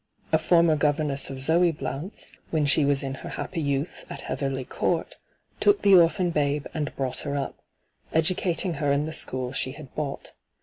A former governess of Zoe Blount's, when she was in her happy youth at Heatherly Court, took the orphan babe and brought her up, educating her in the school she had bought.